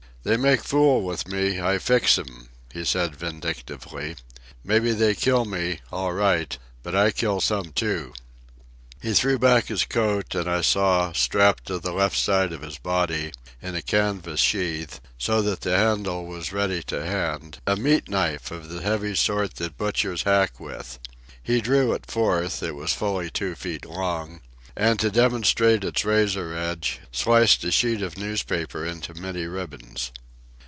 "They make fool with me, I fix 'em," he said vindictively. "Mebbe they kill me, all right; but I kill some, too." He threw back his coat, and I saw, strapped to the left side of his body, in a canvas sheath, so that the handle was ready to hand, a meat knife of the heavy sort that butchers hack with. He drew it forth—it was fully two feet long—and, to demonstrate its razor edge, sliced a sheet of newspaper into many ribbons.